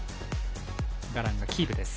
ガランがキープです。